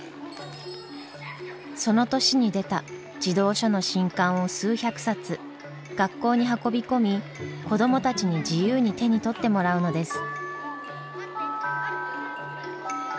その年に出た児童書の新刊を数百冊学校に運び込み子どもたちに自由に手に取ってもらうのです。